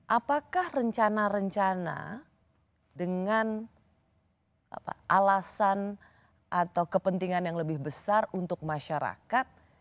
apakah rencana rencana dengan alasan atau kepentingan yang lebih besar untuk masyarakat